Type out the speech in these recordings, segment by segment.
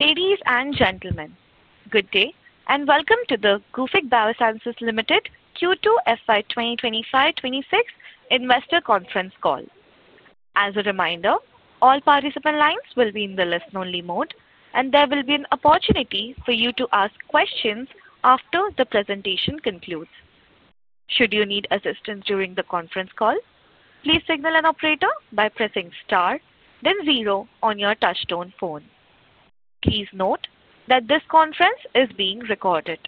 Ladies and gentlemen, good day and welcome to the Gufic Biosciences Limited Q2 FY 2025-2026 investor conference Call. As a reminder, all participant lines will be in the listen-only mode, and there will be an opportunity for you to ask questions after the presentation concludes. Should you need assistance during the conference call, please signal an operator by pressing star, then zero on your touchstone phone. Please note that this conference is being recorded.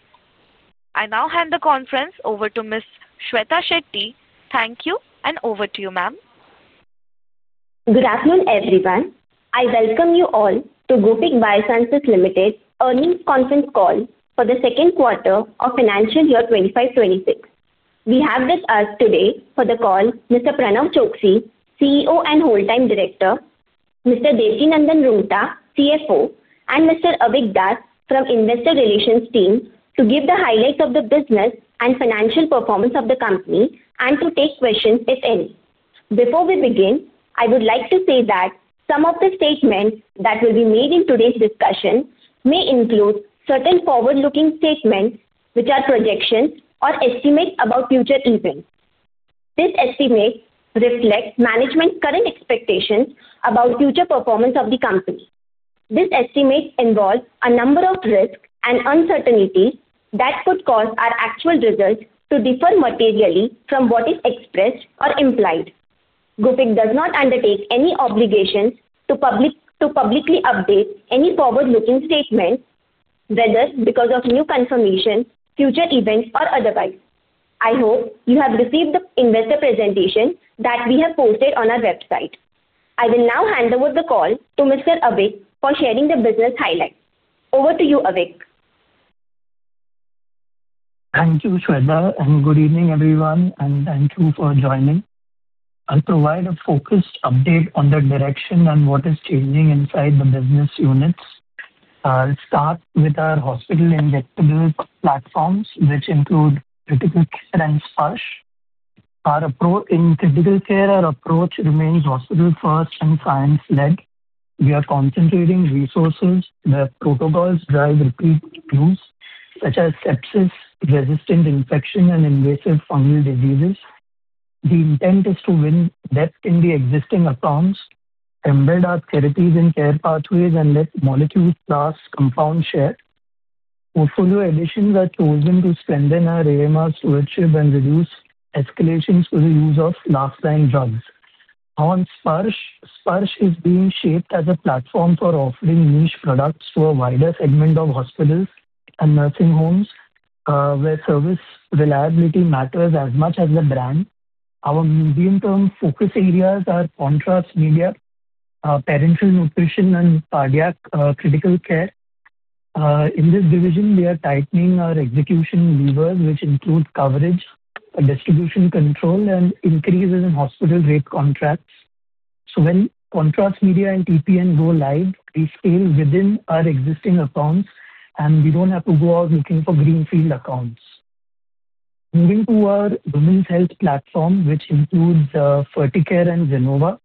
I now hand the conference over to Ms. Shwetha Shetty. Thank you, and over to you, ma'am. Good afternoon, everyone. I welcome you all to Gufic Biosciences Limited's earnings conference call for the second quarter of financial year 2025-2026. We have with us today for the call Mr. Pranav Choksi, CEO and whole-time director; Mr. Devkinandan Roonghta, CFO; and Mr. Avik Das from the investor relations team to give the highlights of the business and financial performance of the company and to take questions if any. Before we begin, I would like to say that some of the statements that will be made in today's discussion may include certain forward-looking statements which are projections or estimates about future events. These estimates reflect management's current expectations about future performance of the company. These estimates involve a number of risks and uncertainties that could cause our actual results to differ materially from what is expressed or implied. Gufic does not undertake any obligations to publicly update any forward-looking statements, whether because of new confirmation, future events, or otherwise. I hope you have received the investor presentation that we have posted on our website. I will now hand over the call to Mr. Avik for sharing the business highlights. Over to you, Avik. Thank you, Shwetha, and good evening, everyone. Thank you for joining. I'll provide a focused update on the direction and what is changing inside the business units. I'll start with our hospital injectable platforms, which include critical care and Splash. In critical care, our approach remains hospital-first and science-led. We are concentrating resources where protocols drive repeat use, such as sepsis-resistant infection and invasive fungal diseases. The intent is to win depth in the existing accounts, embed our therapies and care pathways, and let molecules plus compounds share. Portfolio additions are chosen to strengthen our AMR stewardship and reduce escalations for the use of last-line drugs. On Splash, Splash is being shaped as a platform for offering niche products to a wider segment of hospitals and nursing homes where service reliability matters as much as the brand. Our medium-term focus areas are contrast media, parenteral nutrition, and cardiac critical care. In this division, we are tightening our execution levers, which include coverage, distribution control, and increases in hospital rate contracts. When contrast media and TPN go live, we scale within our existing accounts, and we do not have to go out looking for greenfield accounts. Moving to our women's health platform, which includes Ferticare and Zenova.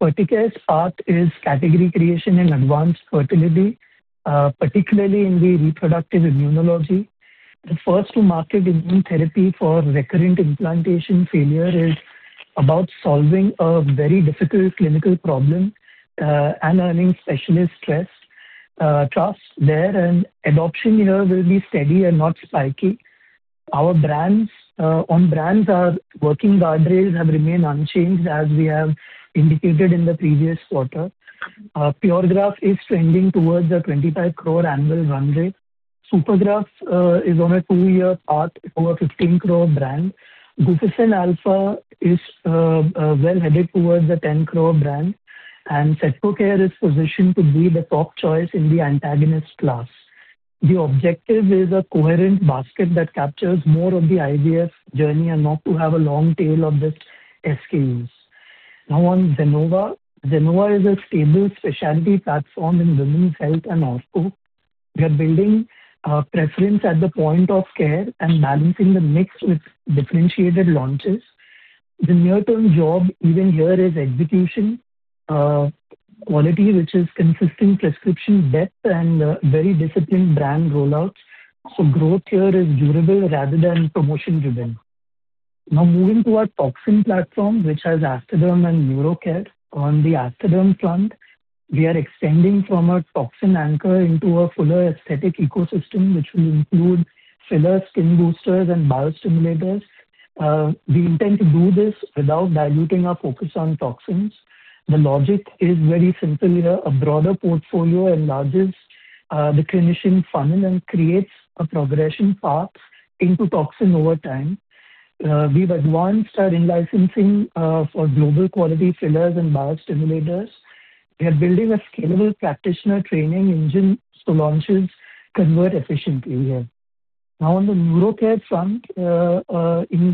Ferticare's path is category creation and advanced fertility, particularly in the reproductive immunology. The first-to-market immune therapy for recurrent implantation failure is about solving a very difficult clinical problem and earning specialist trust there, and adoption here will be steady and not spiky. On brands, our working guardrails have remained unchanged, as we have indicated in the previous quarter. Puregraph is trending towards a 250,000,000 annual run rate. Supergraph is on a two-year path for a 150,000,000 brand. Guficin Alpha is well-headed towards a 10 crore brand, and SetcoCare is positioned to be the top choice in the antagonist class. The objective is a coherent basket that captures more of the IVF journey and not to have a long tail of this escape. Now, on Zenova, Zenova is a stable specialty platform in women's health and hospital. We are building preference at the point of care and balancing the mix with differentiated launches. The near-term job even here is execution quality, which is consistent prescription depth and very disciplined brand rollouts. Growth here is durable rather than promotion-driven. Now, moving to our toxin platform, which has Asterderm and NeuroCare. On the Asterderm front, we are extending from our toxin anchor into a fuller aesthetic ecosystem, which will include fillers, skin boosters, and biostimulators. We intend to do this without diluting our focus on toxins. The logic is very simple here. A broader portfolio enlarges the clinician funnel and creates a progression path into toxin over time. We've advanced our in-licensing for global quality fillers and biostimulators. We are building a scalable practitioner training engine so launches convert efficiently here. Now, on the NeuroCare front,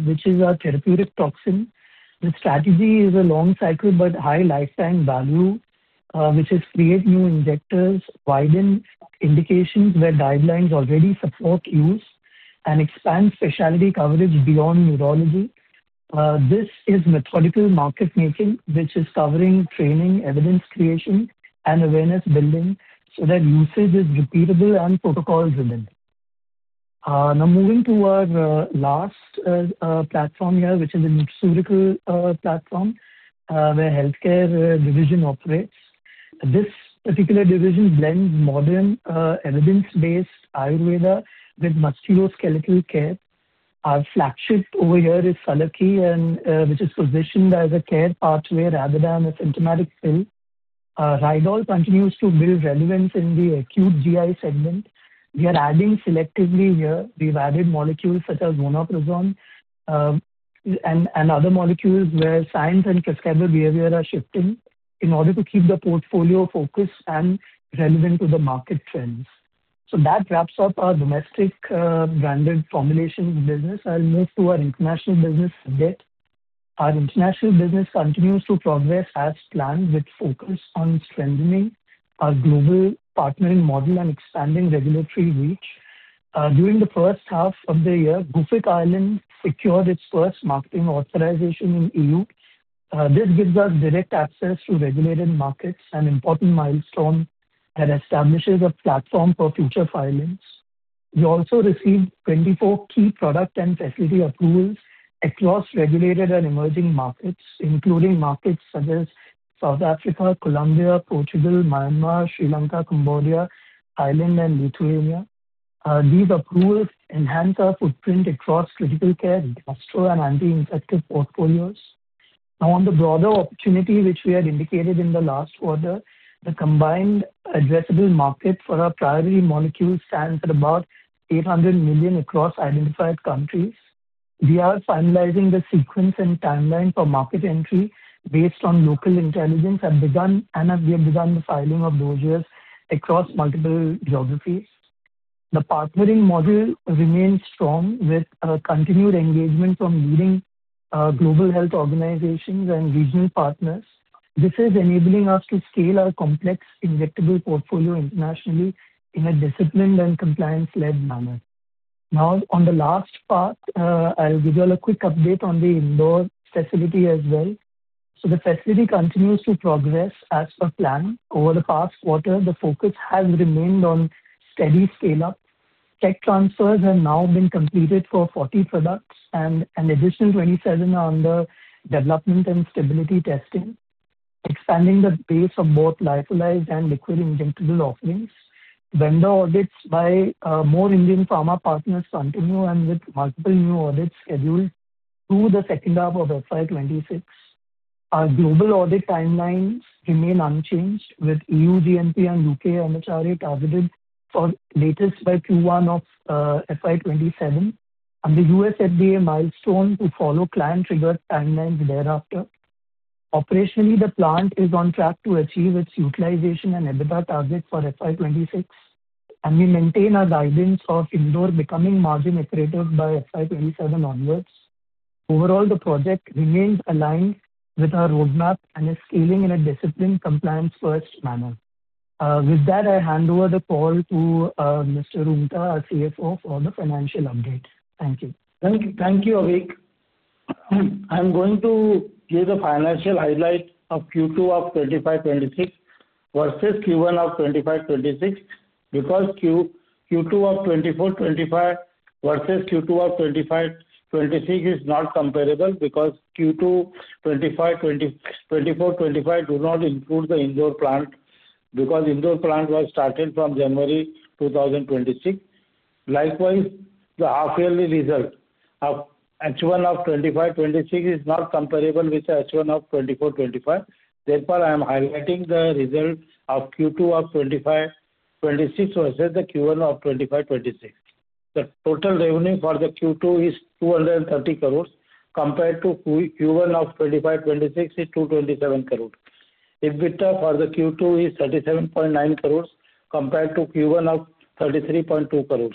which is our therapeutic toxin, the strategy is a long cycle but high lifetime value, which is create new injectors, widen indications where guidelines already support use, and expand specialty coverage beyond neurology. This is methodical market making, which is covering training, evidence creation, and awareness building so that usage is repeatable and protocol-driven. Now, moving to our last platform here, which is a surgical platform where healthcare division operates. This particular division blends modern evidence-based Ayurveda with musculoskeletal care. Our flagship over here is Salaki, which is positioned as a care pathway rather than a symptomatic pill. Rydol continues to build relevance in the acute GI segment. We are adding selectively here. We've added molecules such as Vonoprazole and other molecules where science and prescriber behavior are shifting in order to keep the portfolio focused and relevant to the market trends. That wraps up our domestic branded formulation business. I'll move to our international business update. Our international business continues to progress as planned, with focus on strengthening our global partnering model and expanding regulatory reach. During the first half of the year, Gufic Biosciences secured its first marketing authorization in the EU. This gives us direct access to regulated markets and important milestones that establish a platform for future filings. We also received 24 key product and facility approvals across regulated and emerging markets, including markets such as South Africa, Colombia, Portugal, Myanmar, Sri Lanka, Cambodia, Thailand, and Lithuania. These approvals enhance our footprint across critical care, gastro, and anti-infective portfolios. Now, on the broader opportunity, which we had indicated in the last quarter, the combined addressable market for our primary molecules stands at about $800 million across identified countries. We are finalizing the sequence and timeline for market entry based on local intelligence and have begun the filing of doses across multiple geographies. The partnering model remains strong with continued engagement from leading global health organizations and regional partners. This is enabling us to scale our complex injectable portfolio internationally in a disciplined and compliance-led manner. Now, on the last part, I'll give you a quick update on the Indore facility as well. The facility continues to progress as per plan. Over the past quarter, the focus has remained on steady scale-up. Tech transfers have now been completed for 40 products, and an additional 27 are under development and stability testing, expanding the base of both lyophilized and liquid injectable offerings. Vendor audits by more Indian pharma partners continue with multiple new audits scheduled through the second half of FY 2026. Our global audit timelines remain unchanged, with EU GMP and U.K. MHRA targeted for latest by Q1 of FY 2027, and the U.S. FDA milestone to follow plan-triggered timelines thereafter. Operationally, the plant is on track to achieve its utilization and EBITDA target for FY 2026, and we maintain our guidance of Indore becoming margin-accurate by FY 2027 onwards. Overall, the project remains aligned with our roadmap and is scaling in a disciplined compliance-first manner. With that, I hand over the call to Mr. Roonghta, our CFO, for the financial update. Thank you. Thank you, Avik. I'm going to give the financial highlight of Q2 of 2025-2026 versus Q1 of 2025-2026 because Q2 of 2024-2025 versus Q2 of 2025-2026 is not comparable because Q2 2024-2025 does not include the Indore plant because the Indore plant was started from January 2026. Likewise, the half-yearly result of H1 of 2025-2026 is not comparable with the H1 of 2024-2025. Therefore, I am highlighting the result of Q2 of 2025-2026 versus the Q1 of 2025-2026. The total revenue for the Q2 is 2,300,000,000 compared to Q1 of 2025-2026 is 2,270,000,000. EBITDA for the Q2 is 379,000,000 compared to Q1 of 332,000,000.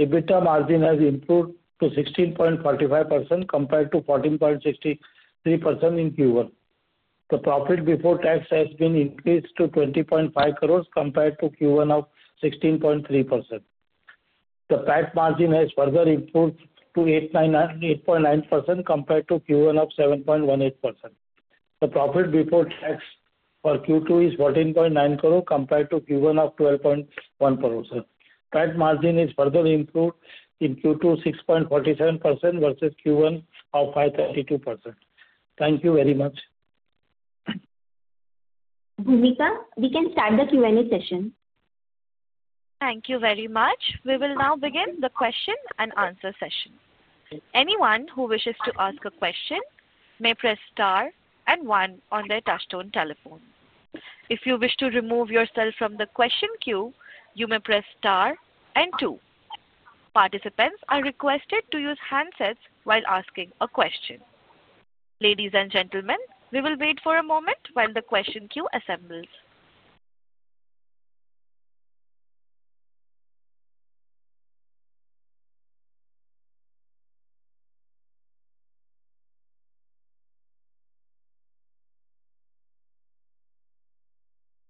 EBITDA margin has improved to 16.45% compared to 14.63% in Q1. The profit before tax has been increased to 205,000,000 compared to Q1 of 163,000,000. The PAT margin has further improved to 8.9% compared to Q1 of 7.18%. The profit before tax for Q2 is 14.9 crore compared to Q1 of 12.1 crore. PAT margin is further improved in Q2 6.47% versus Q1 of 5.32%. Thank you very much. Gufic Biosciences Pranav Choksi, Devkinandan Roonghta, we can start the Q&A session. Thank you very much. We will now begin the question and answer session. Anyone who wishes to ask a question may press star and one on their touchstone telephone. If you wish to remove yourself from the question queue, you may press star and two. Participants are requested to use handsets while asking a question. Ladies and gentlemen, we will wait for a moment while the question queue assembles.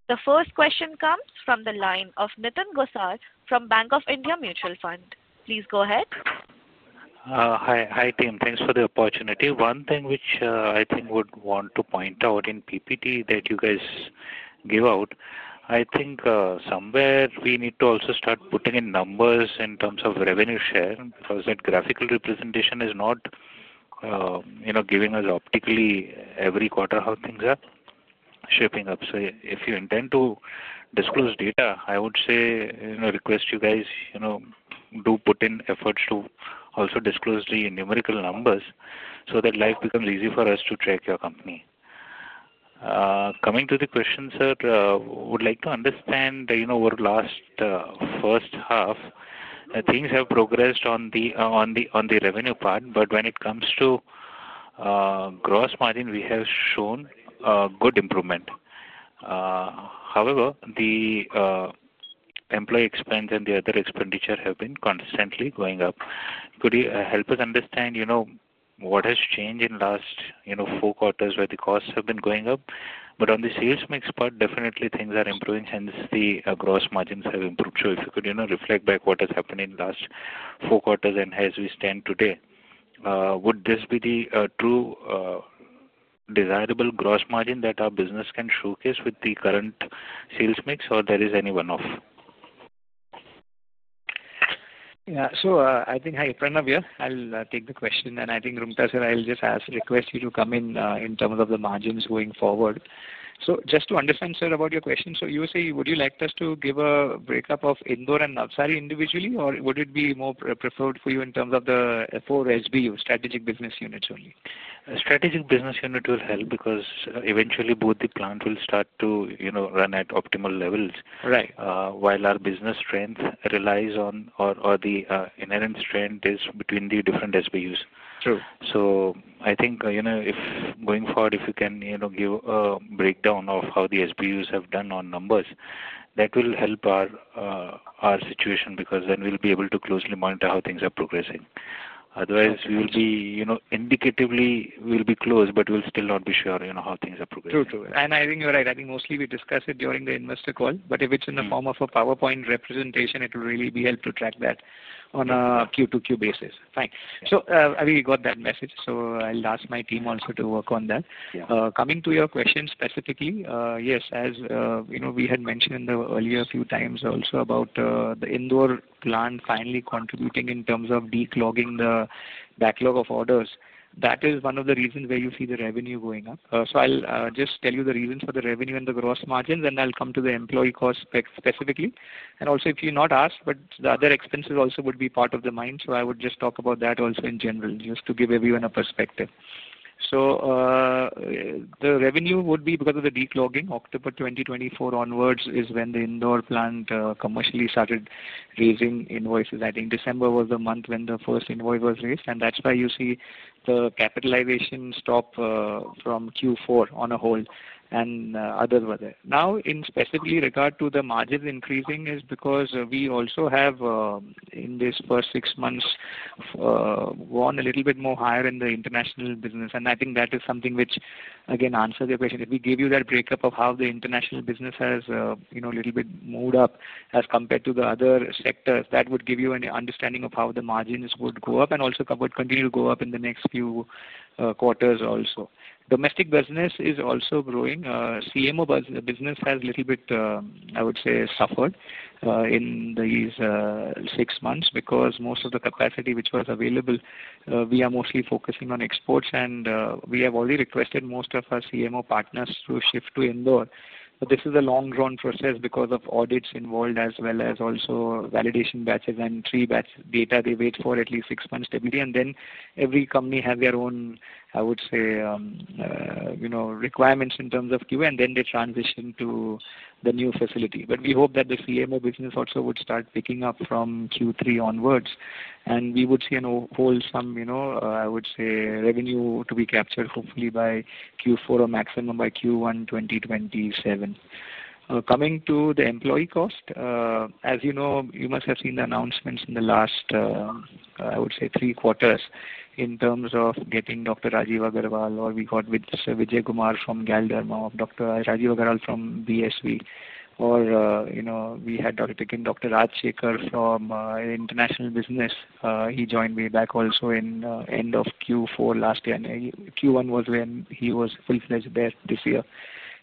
The first question comes from the line of Nitin Gosar from Bank of India Mutual Fund. Please go ahead. Hi, team. Thanks for the opportunity. One thing which I think would want to point out in PPT that you guys give out, I think somewhere we need to also start putting in numbers in terms of revenue share because that graphical representation is not giving us optically every quarter how things are shaping up. If you intend to disclose data, I would say request you guys do put in efforts to also disclose the numerical numbers so that life becomes easy for us to track your company. Coming to the question, sir, would like to understand over the last first half, things have progressed on the revenue part, but when it comes to gross margin, we have shown good improvement. However, the employee expense and the other expenditure have been constantly going up. Could you help us understand what has changed in the last four quarters where the costs have been going up? On the sales mix part, definitely things are improving since the gross margins have improved. If you could reflect back what has happened in the last four quarters and as we stand today, would this be the true desirable gross margin that our business can showcase with the current sales mix, or is there any one-off? Yeah. I think I have an opinion here. I'll take the question, and I think Roonghta, sir, I'll just request you to come in in terms of the margins going forward. Just to understand, sir, about your question, you say, would you like us to give a breakup of Indore and outside individually, or would it be more preferred for you in terms of the four SBUs, strategic business units only? Strategic business unit will help because eventually both the plant will start to run at optimal levels while our business strength relies on or the inherent strength is between the different SBUs. I think if going forward, if you can give a breakdown of how the SBUs have done on numbers, that will help our situation because then we'll be able to closely monitor how things are progressing. Otherwise, we will be indicatively close, but we'll still not be sure how things are progressing. True, true. I think you're right. I think mostly we discuss it during the investor call, but if it's in the form of a PowerPoint representation, it will really be help to track that on a Q2Q basis. Fine. We got that message. I'll ask my team also to work on that. Coming to your question specifically, yes, as we had mentioned earlier a few times also about the Indore plant finally contributing in terms of declogging the backlog of orders, that is one of the reasons where you see the revenue going up. I'll just tell you the reasons for the revenue and the gross margins, and I'll come to the employee costs specifically. If you're not asked, but the other expenses also would be part of the mind, I would just talk about that also in general just to give everyone a perspective. The revenue would be because of the declogging. October 2024 onwards is when the Indore plant commercially started raising invoices. I think December was the month when the first invoice was raised, and that's why you see the capitalization stop from Q4 on a whole and other than that. Now, specifically regarding the margins increasing, it is because we also have in this first six months gone a little bit more higher in the international business, and I think that is something which, again, answers your question. If we give you that breakup of how the international business has a little bit moved up as compared to the other sectors, that would give you an understanding of how the margins would go up and also continue to go up in the next few quarters also. Domestic business is also growing. CMO business has a little bit, I would say, suffered in these six months because most of the capacity which was available, we are mostly focusing on exports, and we have already requested most of our CMO partners to shift to Indore. This is a long-drawn process because of audits involved as well as also validation batches and three batch data they wait for at least six months typically, and then every company has their own, I would say, requirements in terms of QA, and then they transition to the new facility. We hope that the CMO business also would start picking up from Q3 onwards, and we would see and hold some, I would say, revenue to be captured hopefully by Q4 or maximum by Q1 2027. Coming to the employee cost, as you know, you must have seen the announcements in the last, I would say, three quarters in terms of getting Dr. Rajiva Garhwal or we got Vijay Kumar from Galderma or Dr. Rajiva Garhwal from BSV, or we had taken Dr. Raj Shaker from international business. He joined way back also in the end of Q4 last year, and Q1 was when he was fully fledged there this year,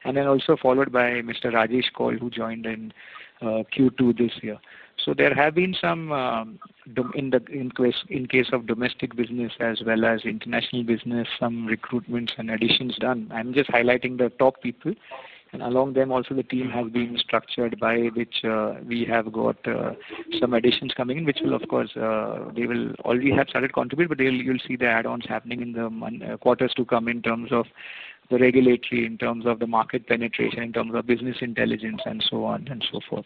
and then also followed by Mr. Rajesh Kaur who joined in Q2 this year. There have been some in case of domestic business as well as international business, some recruitments and additions done. I'm just highlighting the top people, and along them also the team has been structured by which we have got some additions coming in, which will, of course, they will already have started contributing, but you'll see the add-ons happening in the quarters to come in terms of the regulatory, in terms of the market penetration, in terms of business intelligence, and so on and so forth.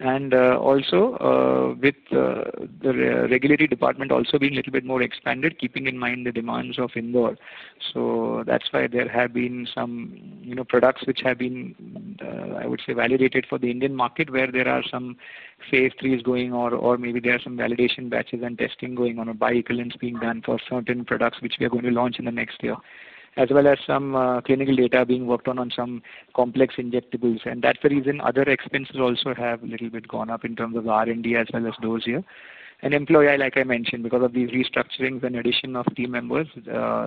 Also, with the regulatory department also being a little bit more expanded, keeping in mind the demands of Indore. That's why there have been some products which have been, I would say, validated for the Indian market where there are some phase threes going or maybe there are some validation batches and testing going on or bioequivalents being done for certain products which we are going to launch in the next year, as well as some clinical data being worked on on some complex injectables. That's the reason other expenses also have a little bit gone up in terms of R&D as well as those here. Employee, like I mentioned, because of these restructurings and addition of team members,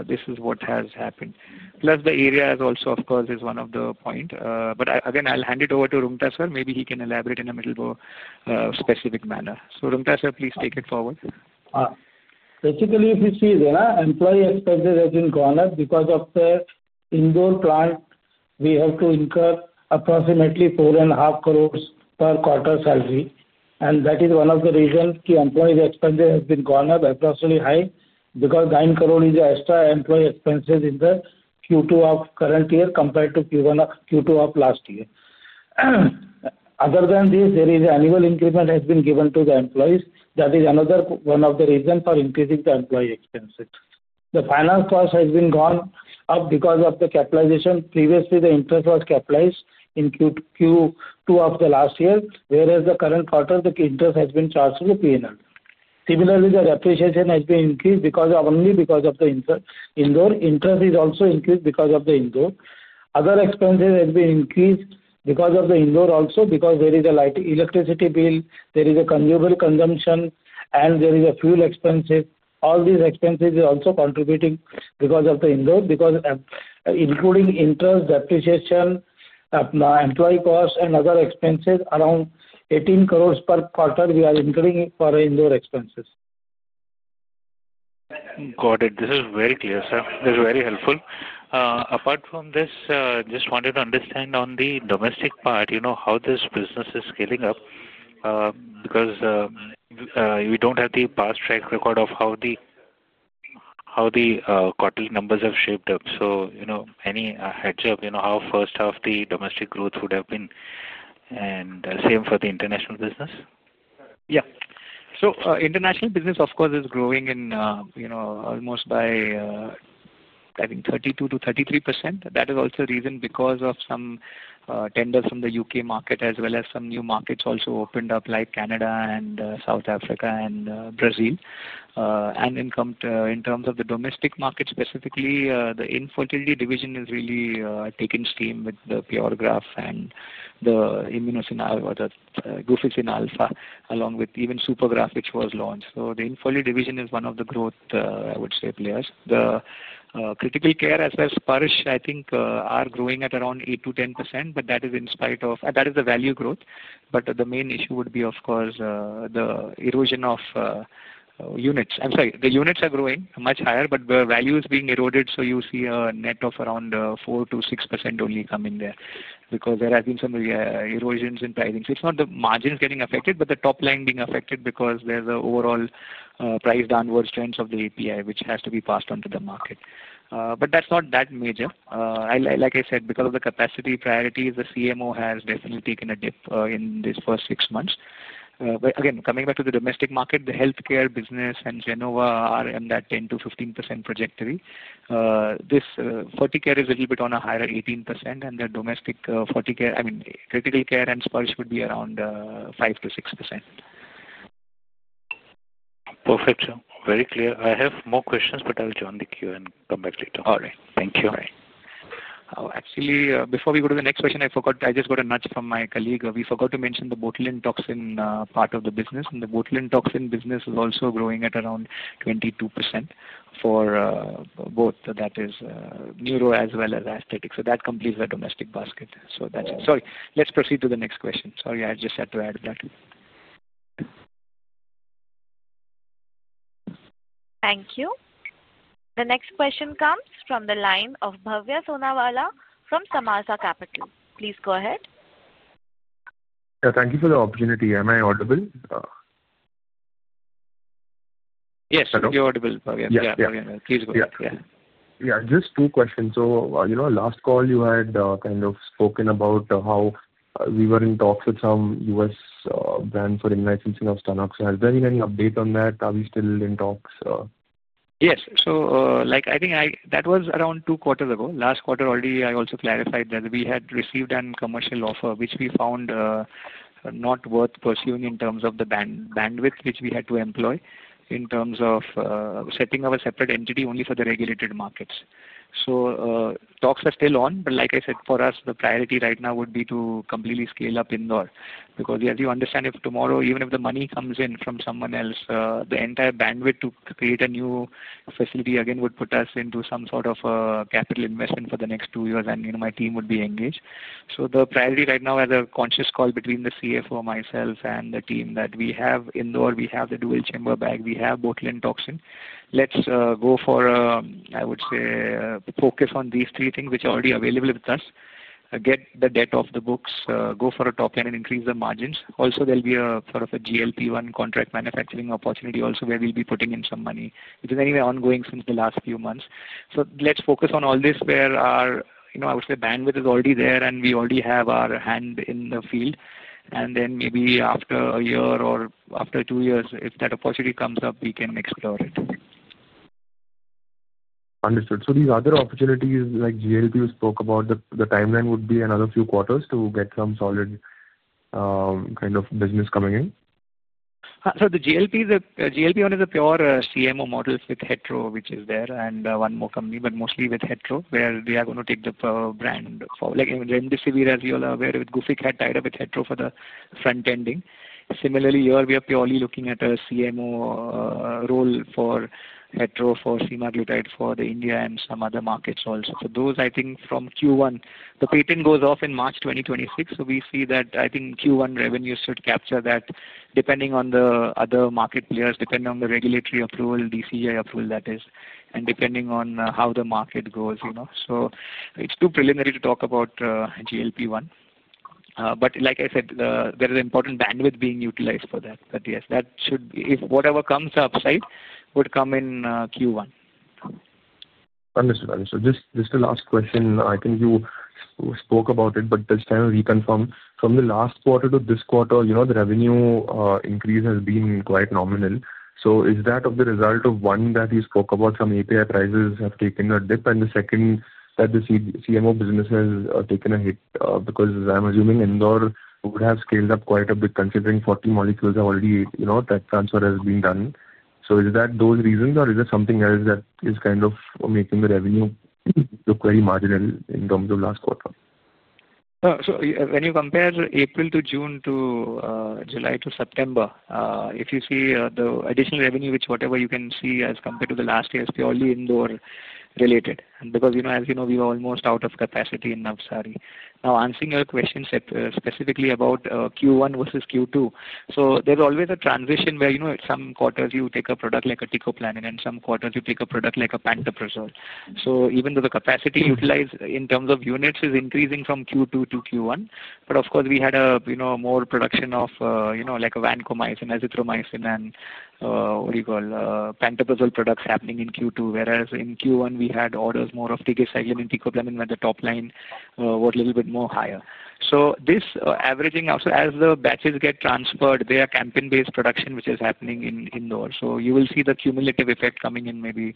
this is what has happened. Plus, the area is also, of course, is one of the points. Again, I'll hand it over to Roonghta, sir. Maybe he can elaborate in a more specific manner. Roonghta, sir, please take it forward. Basically, if you see there, employee expenses have been gone up because of the Indore plant. We have to incur approximately 45,000,000 per quarter salary, and that is one of the reasons the employee expenses have been gone up, especially high, because 90,000,000 is the extra employee expenses in the Q2 of current year compared to Q2 of last year. Other than this, there is annual increment has been given to the employees. That is another one of the reasons for increasing the employee expenses. The finance cost has been gone up because of the capitalization. Previously, the interest was capitalized in Q2 of the last year, whereas the current quarter, the interest has been charged to the P&L. Similarly, the depreciation has been increased only because of the Indore. Interest is also increased because of the Indore. Other expenses have been increased because of the Indore also, because there is a light electricity bill, there is a consumable consumption, and there is a fuel expense. All these expenses are also contributing because of the Indore, including interest, depreciation, employee costs, and other expenses around 180,000,000 per quarter we are incurring for Indore expenses. Got it. This is very clear, sir. This is very helpful. Apart from this, just wanted to understand on the domestic part, how this business is scaling up because we do not have the past track record of how the quarterly numbers have shaped up. Any heads-up, how first half the domestic growth would have been and same for the international business? Yeah. International business, of course, is growing almost by, I think, 32%-33%. That is also a reason because of some tenders from the U.K. market as well as some new markets also opened up like Canada and South Africa and Brazil. In terms of the domestic market specifically, the infertility division has really taken steam with the PureGraph and the Guficin Alpha, along with even Supergraph, which was launched. The infertility division is one of the growth, I would say, players. The critical care as per Spur, I think, are growing at around 8%-10%, but that is in spite of that is the value growth. The main issue would be, of course, the erosion of units. I'm sorry, the units are growing much higher, but the value is being eroded, so you see a net of around 4-6% only come in there because there have been some erosions in pricing. It's not the margins getting affected, but the top line being affected because there's an overall price downwards trend of the API, which has to be passed on to the market. That's not that major. Like I said, because of the capacity priorities, the CMO has definitely taken a dip in these first six months. Again, coming back to the domestic market, the healthcare business and Zenova are in that 10-15% trajectory. This Ferticare is a little bit on a higher 18%, and the domestic Ferticare, I mean, critical care and Splash would be around 5-6%. Perfect, sir. Very clear. I have more questions, but I'll join the queue and come back later. All right. Thank you. Bye. Actually, before we go to the next question, I just got a nudge from my colleague. We forgot to mention the botulinum toxin part of the business. The botulinum toxin business is also growing at around 22% for both, that is, neuro as well as aesthetic. That completes the domestic basket. That's it. Sorry. Let's proceed to the next question. Sorry, I just had to add that. Thank you. The next question comes from the line of Bhavya Sonawala from Samaasa Capital. Please go ahead. Thank you for the opportunity. Am I audible? Yes, you're audible, Bhavya. Yeah, yeah. Please go ahead. Yeah. Just two questions. Last call, you had kind of spoken about how we were in talks with some U.S. brands for in-licensing of Stonoxo. Has there been any update on that? Are we still in talks? Yes. I think that was around two quarters ago. Last quarter, already, I also clarified that we had received a commercial offer, which we found not worth pursuing in terms of the bandwidth, which we had to employ in terms of setting up a separate entity only for the regulated markets. Talks are still on, but like I said, for us, the priority right now would be to completely scale up Indore because, as you understand, if tomorrow, even if the money comes in from someone else, the entire bandwidth to create a new facility again would put us into some sort of capital investment for the next two years, and my team would be engaged. The priority right now is a conscious call between the CFO, myself, and the team that we have Indore, we have the dual chamber bag, we have botulinum toxin. Let's go for, I would say, focus on these three things which are already available with us, get the debt off the books, go for a top line and increase the margins. Also, there'll be a sort of a GLP-1 contract manufacturing opportunity also where we'll be putting in some money, which is anyway ongoing since the last few months. Let's focus on all this where our, I would say, bandwidth is already there and we already have our hand in the field. Then maybe after a year or after two years, if that opportunity comes up, we can explore it. Understood. So these other opportunities like GLP you spoke about, the timeline would be another few quarters to get some solid kind of business coming in? The GLP-1 is a pure CMO model with Hetero, which is there, and one more company, but mostly with Hetero where they are going to take the brand for, like Remdesivir, as you're aware, with Gufic had tied up with Hetero for the front ending. Similarly, here we are purely looking at a CMO role for Hetero for semaglutide for India and some other markets also. Those, I think, from Q1, the patent goes off in March 2026. We see that, I think, Q1 revenue should capture that depending on the other market players, depending on the regulatory approval, DCGI approval, that is, and depending on how the market goes. It is too preliminary to talk about GLP-1. Like I said, there is important bandwidth being utilized for that. Yes, that should, if whatever comes up, right, would come in Q1. Understood. Understood. Just the last question. I think you spoke about it, but just kind of reconfirm. From the last quarter to this quarter, the revenue increase has been quite nominal. Is that the result of, one, that you spoke about, some API prices have taken a dip, and the second that the CMO business has taken a hit because, as I'm assuming, Indore would have scaled up quite a bit considering 40 molecules have already transferred, has been done. Is it those reasons, or is there something else that is kind of making the revenue look very marginal in terms of last quarter? When you compare April to June to July to September, if you see the additional revenue, which whatever you can see as compared to the last year is purely Indore related. Because, as you know, we were almost out of capacity in Navsari. Now, answering your question specifically about Q1 versus Q2, there's always a transition where some quarters you take a product like a ticoplanin and some quarters you take a product like a pantoprazole. Even though the capacity utilized in terms of units is increasing from Q2 to Q1, of course, we had more production of vancomycin, azithromycin, and pantoprazole products happening in Q2, whereas in Q1, we had orders more of tigecycline and ticoplanin where the top line was a little bit higher. This averaging, as the batches get transferred, there are campaign-based production which is happening in Indore. You will see the cumulative effect coming in maybe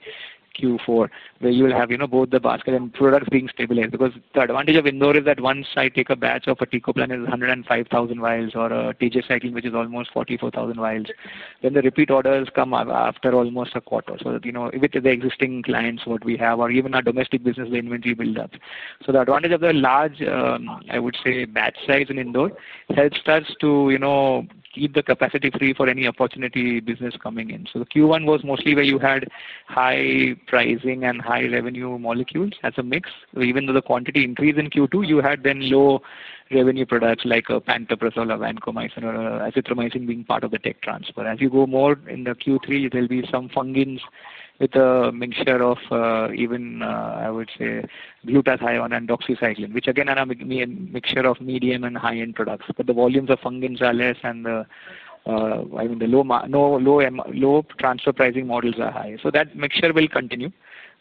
Q4 where you will have both the basket and products being stabilized because the advantage of Indore is that once I take a batch of a ticoplanin, it is 105,000 vials or a tigecycline, which is almost 44,000 vials. Then the repeat orders come after almost a quarter. With the existing clients, what we have or even our domestic business, the inventory buildup. The advantage of the large, I would say, batch size in Indore helps us to keep the capacity free for any opportunity business coming in. Q1 was mostly where you had high pricing and high revenue molecules as a mix. Even though the quantity increased in Q2, you had then low revenue products like pantoprazole or vancomycin or azithromycin being part of the tech transfer. As you go more in the Q3, there will be some fungins with a mixture of even, I would say, glutathione and doxycycline, which again are a mixture of medium and high-end products. The volumes of fungins are less and the, I mean, the low transfer pricing models are high. That mixture will continue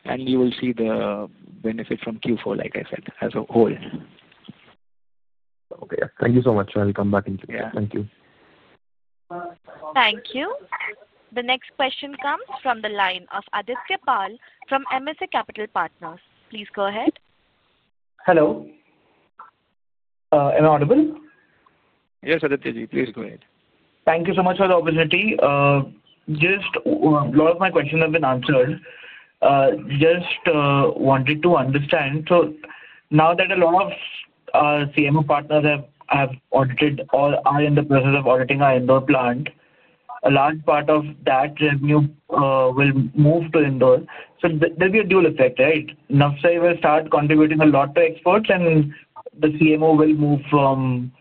and you will see the benefit from Q4, like I said, as a whole. Okay. Thank you so much. I'll come back in. Thank you. Thank you. The next question comes from the line of Adityapal from MSA Capital Partners. Please go ahead. Hello. Am I audible? Yes, Aditya, please go ahead. Thank you so much for the opportunity. Just a lot of my questions have been answered. Just wanted to understand. Now that a lot of CMO partners have audited or are in the process of auditing our Indore plant, a large part of that revenue will move to Indore. There will be a dual effect, right? Navsari will start contributing a lot to exports and the CMO will move from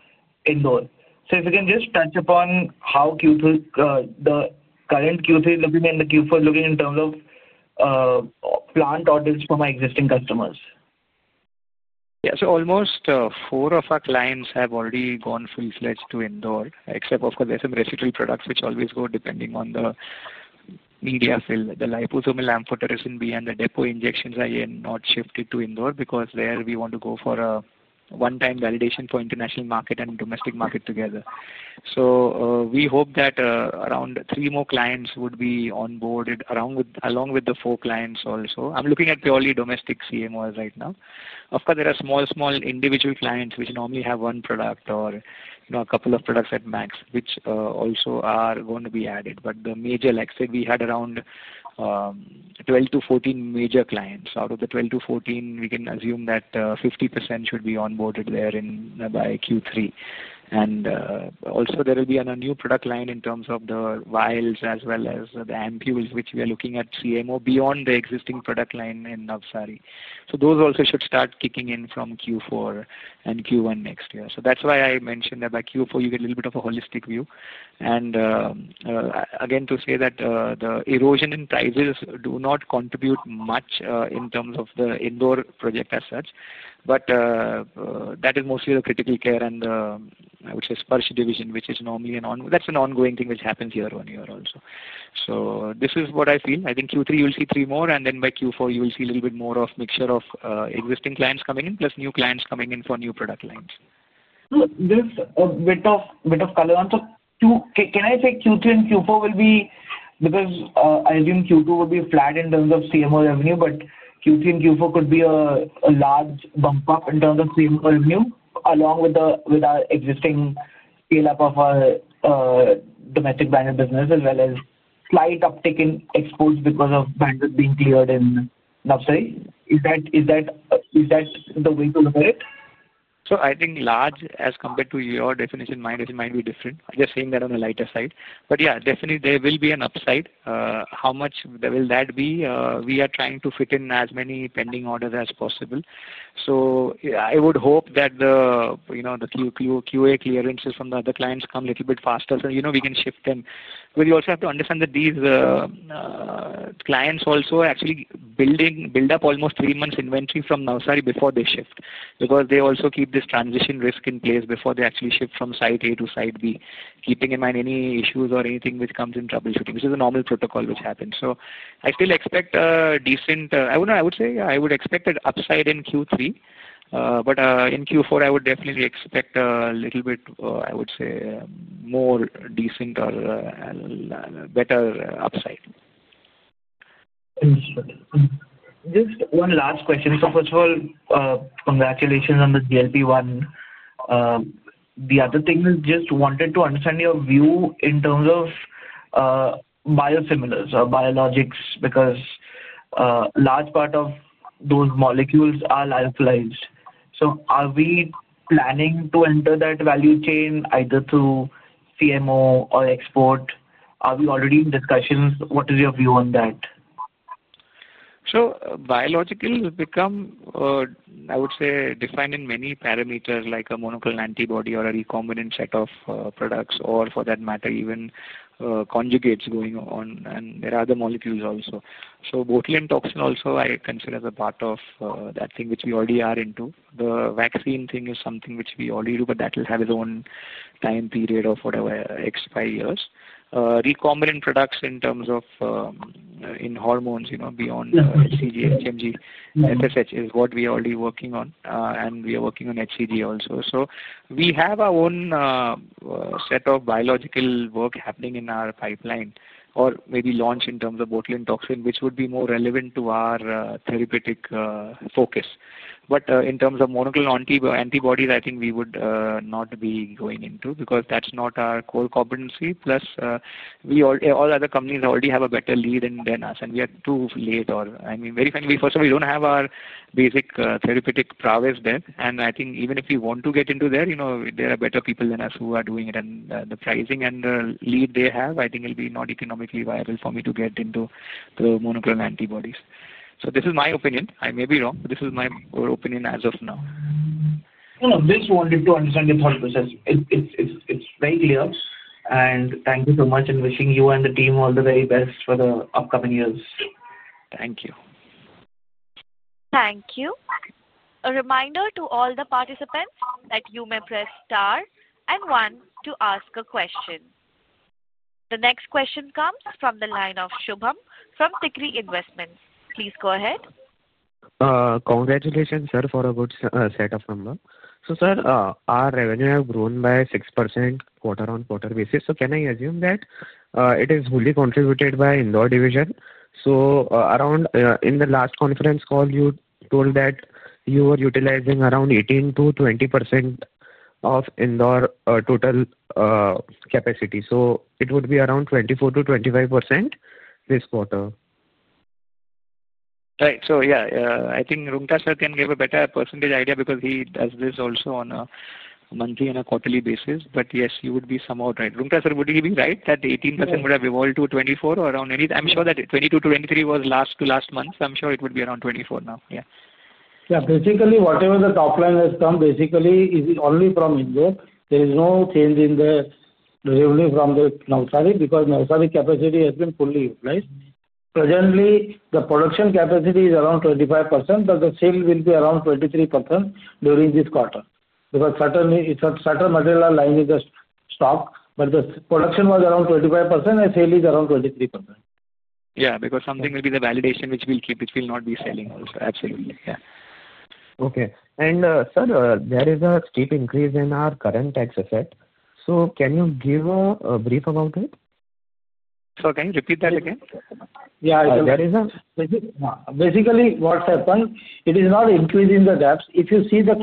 Indore. If you can just touch upon how the current Q3 is looking and the Q4 is looking in terms of plant audits from our existing customers. Yeah. So almost four of our clients have already gone full-fledged to Indore, except, of course, there are some residual products which always go depending on the media fill. The liposomal amphotericin B and the depo injections are not shifted to Indore because there we want to go for a one-time validation for international market and domestic market together. We hope that around three more clients would be onboarded along with the four clients also. I'm looking at purely domestic CMOs right now. Of course, there are small, small individual clients which normally have one product or a couple of products at max, which also are going to be added. The major, like I said, we had around 12-14 major clients. Out of the 12-14, we can assume that 50% should be onboarded there by Q3. There will be a new product line in terms of the vials as well as the ampoules, which we are looking at CMO beyond the existing product line in Navsari. Those also should start kicking in from Q4 and Q1 next year. That is why I mentioned that by Q4, you get a little bit of a holistic view. Again, to say that the erosion in prices does not contribute much in terms of the Indore project as such, but that is mostly the critical care and the, I would say, Spur division, which is normally an ongoing thing which happens year on year also. This is what I feel. I think Q3, you'll see three more, and then by Q4, you'll see a little bit more of a mixture of existing clients coming in plus new clients coming in for new product lines. Just a bit of color on. Can I say Q3 and Q4 will be, because I assume Q2 will be flat in terms of CMO revenue, but Q3 and Q4 could be a large bump up in terms of CMO revenue along with our existing scale-up of our domestic branded business as well as slight uptick in exports because of bandwidth being cleared in Navsari. Is that the way to look at it? I think large as compared to your definition, my definition might be different. I'm just saying that on the lighter side. Yeah, definitely, there will be an upside. How much will that be? We are trying to fit in as many pending orders as possible. I would hope that the QA clearances from the other clients come a little bit faster so we can shift them. You also have to understand that these clients also are actually building up almost three months inventory from Navsari before they shift because they also keep this transition risk in place before they actually shift from site A to site B, keeping in mind any issues or anything which comes in troubleshooting, which is a normal protocol which happens. I still expect a decent, I would say, yeah, I would expect an upside in Q3, but in Q4, I would definitely expect a little bit, I would say, more decent or better upside. Understood. Just one last question. First of all, congratulations on the GLP-1. The other thing is just wanted to understand your view in terms of biosimilars or biologics because a large part of those molecules are lyophilized. Are we planning to enter that value chain either through CMO or export? Are we already in discussions? What is your view on that? Biological become, I would say, defined in many parameters like a monoclonal antibody or a recombinant set of products or, for that matter, even conjugates going on, and there are other molecules also. Botulinum toxin also I consider as a part of that thing which we already are into. The vaccine thing is something which we already do, but that will have its own time period of whatever, X, Y years. Recombinant products in terms of in hormones beyond HCG, HMG, SSH is what we are already working on, and we are working on HCG also. We have our own set of biological work happening in our pipeline or maybe launch in terms of botulinum toxin, which would be more relevant to our therapeutic focus. In terms of monoclonal antibodies, I think we would not be going into because that's not our core competency. Plus, all other companies already have a better lead than us, and we are too late or, I mean, very funny. First of all, we do not have our basic therapeutic prowess there. I think even if we want to get into there, there are better people than us who are doing it. The pricing and the lead they have, I think it will be not economically viable for me to get into the monoclonal antibodies. This is my opinion. I may be wrong, but this is my opinion as of now. No, no. Just wanted to understand your thought process. It's very clear. Thank you so much and wishing you and the team all the very best for the upcoming years. Thank you. Thank you. A reminder to all the participants that you may press star and one to ask a question. The next question comes from the line of Shubham from Tikri Investments. Please go ahead. Congratulations, sir, for a good setup from them. Sir, our revenue has grown by 6% quarter-on-quarter basis. Can I assume that it is fully contributed by Indore division? In the last conference call, you told that you were utilizing around 18-20% of Indore total capacity. It would be around 24-25% this quarter. Right. So yeah, I think Roonghta sir can give a better percentage idea because he does this also on a monthly and a quarterly basis. But yes, you would be somewhat right. Roonghta sir, would he be right that 18% would have evolved to 24% or around any? I'm sure that 22%-23% was last to last month. I'm sure it would be around 24% now. Yeah. Yeah. Basically, whatever the top line has come, basically, is only from Indore. There is no change in the revenue from the Navsari because Navsari capacity has been fully utilized. Presently, the production capacity is around 25%, but the sale will be around 23% during this quarter because certain material are lying in the stock, but the production was around 25% and sale is around 23%. Yeah, because something will be the validation which we'll keep, which will not be selling also. Absolutely. Yeah. Okay. Sir, there is a steep increase in our current tax effect. Can you give a brief about it? Sorry, can you repeat that again? Yeah. There is a. Basically, what's happened, it is not increasing the gaps. If you see the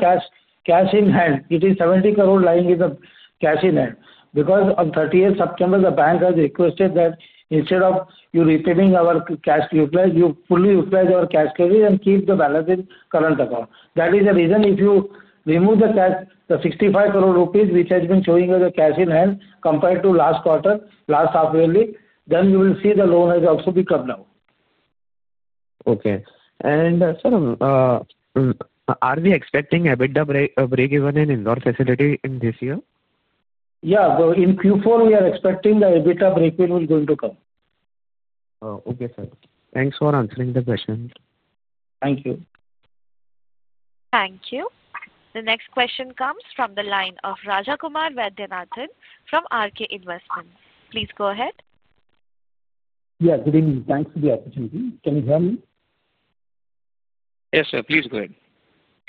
cash in hand, it is 70 crore lying in the cash in hand because on 30th September, the bank has requested that instead of you repeating our cash utilize, you fully utilize our cash carry and keep the balance in current account. That is the reason if you remove the cash, the 65 crore rupees, which has been showing as a cash in hand compared to last quarter, last half yearly, then you will see the loan has also become now. Okay. And sir, are we expecting EBITDA break-even in Indore facility in this year? Yeah. In Q4, we are expecting the EBITDA break-even will going to come. Okay, sir. Thanks for answering the question. Thank you. Thank you. The next question comes from the line of Rajakumar Vaidyanathan from RK Investments. Please go ahead. Yeah. Good evening. Thanks for the opportunity. Can you hear me? Yes, sir. Please go ahead.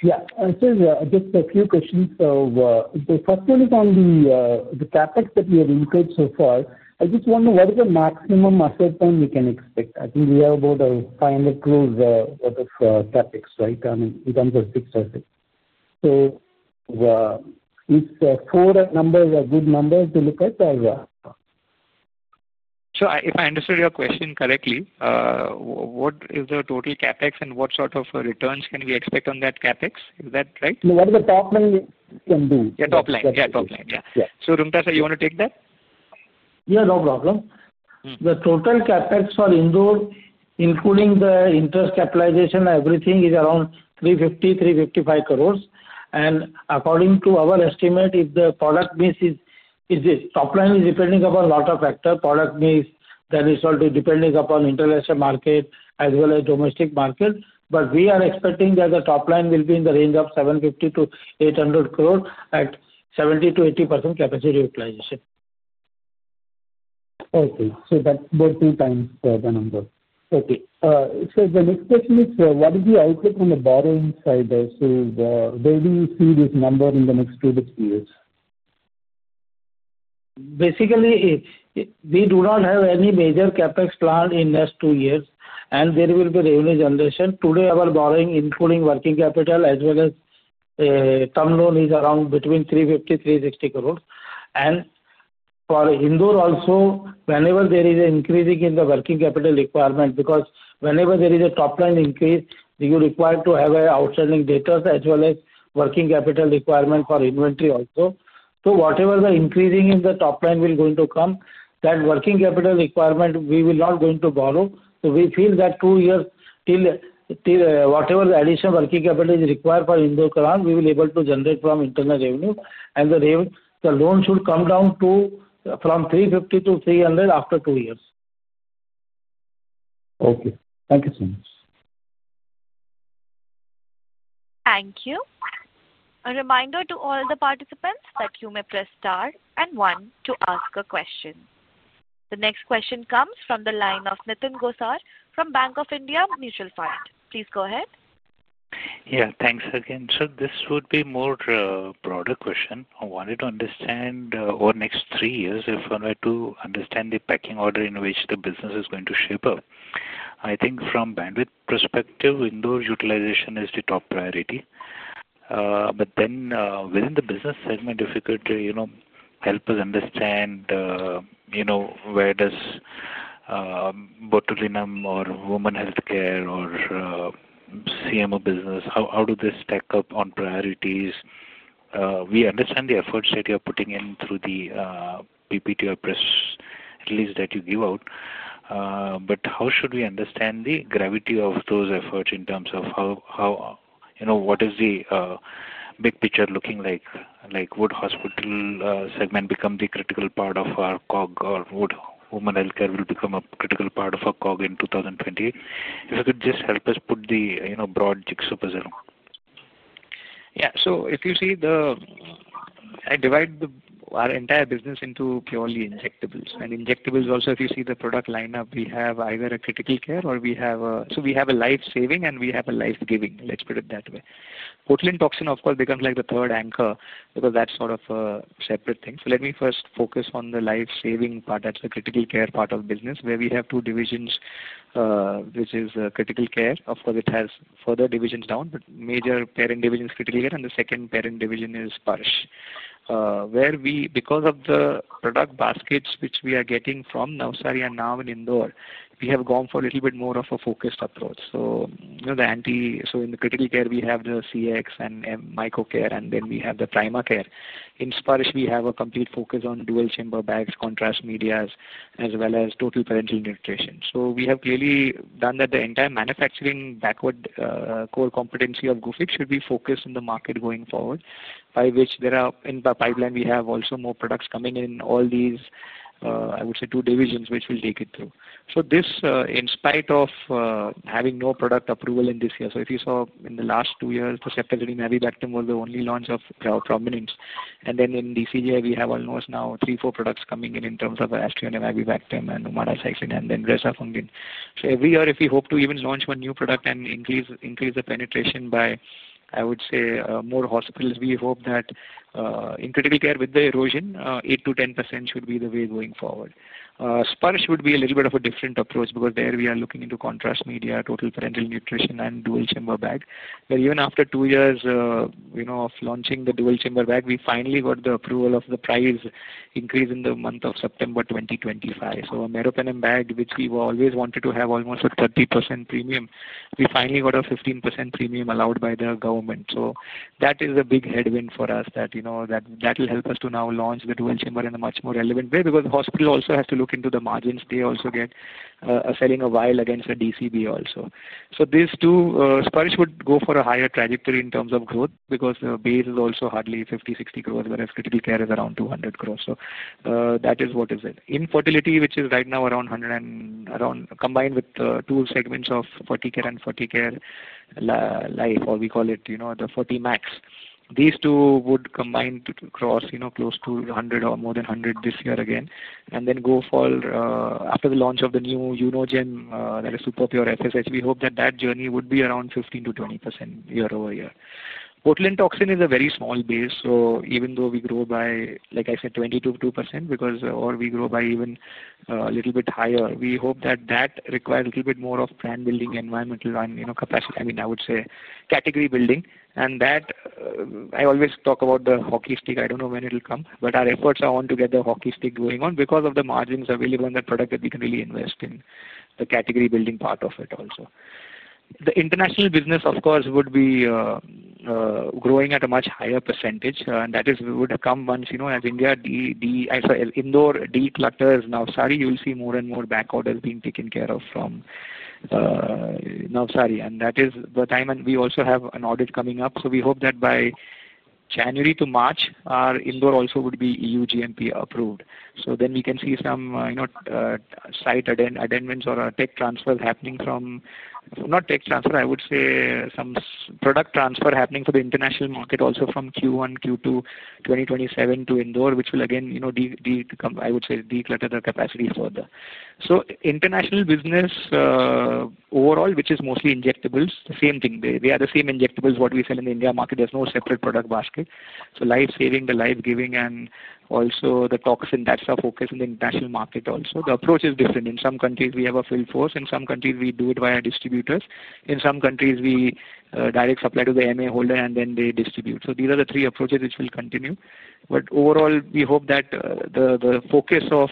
Yeah. Sir, just a few questions. The first one is on the CapEx that we have incurred so far. I just want to know what is the maximum asset time we can expect? I think we have about INR 500 crore worth of CapEx, right, in terms of fixed assets. So these four numbers are good numbers to look at or? If I understood your question correctly, what is the total CapEx and what sort of returns can we expect on that CapEx? Is that right? What is the top line can do? Yeah, top line. Yeah, top line. Runghta sir, you want to take that? Yeah, no problem. The total CapEx for Indore, including the interest capitalization, everything is around 350-355 crore. According to our estimate, if the product base is top line is depending upon a lot of factors, product base that is also depending upon international market as well as domestic market. We are expecting that the top line will be in the range of 750-800 crore at 70-80% capacity utilization. Okay. So that's about two times the number. Okay. The next question is, what is the outlook on the borrowing side? Where do you see this number in the next two to three years? Basically, we do not have any major CapEx plan in the next two years, and there will be revenue generation. Today, our borrowing, including working capital as well as term loan, is around between 350-360 crore. For Indore also, whenever there is an increase in the working capital requirement, because whenever there is a top line increase, you require to have outstanding data as well as working capital requirement for inventory also. Whatever the increase in the top line is going to come, that working capital requirement, we will not borrow. We feel that for two years, whatever the additional working capital is required for Indore, we will be able to generate from internal revenue. The loan should come down from 350 crore to 300 crore after two years. Okay. Thank you so much. Thank you. A reminder to all the participants that you may press star and one to ask a question. The next question comes from the line of Nitin Gosar from Bank of India Mutual Fund. Please go ahead. Yeah. Thanks again. This would be a more broader question. I wanted to understand over the next three years if one were to understand the pecking order in which the business is going to shape up. I think from bandwidth perspective, Indore utilization is the top priority. But then within the business segment, difficult to help us understand where does botulinum or women healthcare or CMO business, how do they stack up on priorities? We understand the efforts that you're putting in through the PPTR press release that you give out, but how should we understand the gravity of those efforts in terms of what is the big picture looking like? Would hospital segment become the critical part of our cog, or would women healthcare become a critical part of our cog in 2028? If you could just help us put the broad jigsaw puzzle on. Yeah. If you see, I divide our entire business into purely injectables. Injectables also, if you see the product lineup, we have either a critical care or we have a, so we have a life-saving and we have a life-giving, let's put it that way. Botulinum toxin, of course, becomes like the third anchor because that's sort of a separate thing. Let me first focus on the life-saving part. That's the critical care part of business where we have two divisions, which is critical care. Of course, it has further divisions down, but major parent division is critical care, and the second parent division is parsh. Where we, because of the product baskets which we are getting from Navsari and now in Indore, we have gone for a little bit more of a focused approach. In the critical care, we have the CX and MicroCare, and then we have the Primacare. In Splash, we have a complete focus on dual chamber bags, contrast media, as well as total parenteral nutrition. We have clearly done that the entire manufacturing backward core competency of Gufic should be focused in the market going forward, by which there are in the pipeline, we have also more products coming in all these, I would say, two divisions which will take it through. This, in spite of having no product approval in this year, if you saw in the last two years, the ceftazidime-avibactam was the only launch of prominence. In DCGI, we have almost now three, four products coming in in terms of Asterderm-avibactam and Omadacycline, and then Resafungin. Every year, if we hope to even launch one new product and increase the penetration by, I would say, more hospitals, we hope that in critical care with the erosion, 8-10% should be the way going forward. Spur should be a little bit of a different approach because there we are looking into contrast media, total parenteral nutrition, and dual chamber bag. Even after two years of launching the dual chamber bag, we finally got the approval of the price increase in the month of September 2025. A meropenem bag, which we always wanted to have almost a 30% premium, we finally got a 15% premium allowed by the government. That is a big headwind for us that will help us to now launch the dual chamber in a much more relevant way because the hospital also has to look into the margins. They also get a selling a while against a DCB also. These two, Spur should go for a higher trajectory in terms of growth because the base is also hardly 50-60 crore, whereas critical care is around 200 crore. That is what is it. Infertility, which is right now around combined with two segments of Ferticare and Ferticare Life, or we call it the Fertimax. These two would combine to cross close to 100 crore or more than 100 crore this year again, and then go for after the launch of the new Unogem that is super pure SSH, we hope that that journey would be around 15%-20% year over year. Botulinum toxin is a very small base, so even though we grow by, like I said, 22%, or we grow by even a little bit higher, we hope that that requires a little bit more of plan building, environmental capacity. I mean, I would say category building. I always talk about the hockey stick. I do not know when it will come, but our efforts are on to get the hockey stick going on because of the margins available in that product that we can really invest in the category building part of it also. The international business, of course, would be growing at a much higher percentage, and that would come once as India Indore declutters Navsari, you will see more and more back orders being taken care of from Navsari. That is the time, and we also have an audit coming up. We hope that by January to March, our Indore also would be EU GMP approved. Then we can see some site amendments or tech transfers happening from—not tech transfer, I would say some product transfer happening for the international market also from Q1, Q2 2027 to Indore, which will again, I would say, declutter the capacity further. International business overall, which is mostly injectables, the same thing. They are the same injectables we sell in the India market. There is no separate product basket. Life-saving, the life-giving, and also the toxin, that is our focus in the international market also. The approach is different. In some countries, we have a full force. In some countries, we do it via distributors. In some countries, we direct supply to the MA holder, and then they distribute. These are the three approaches which will continue. Overall, we hope that the focus of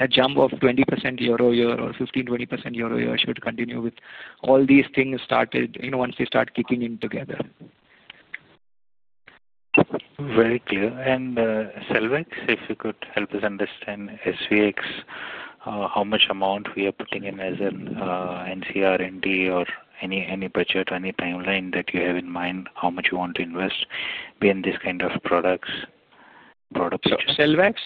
a jump of 20% year over year or 15%-20% year over year should continue with all these things started once they start kicking in together. Very clear. Selvac, if you could help us understand SVX, how much amount we are putting in as an NCR, ND, or any budget, any timeline that you have in mind, how much you want to invest in this kind of products? Yeah. Selvac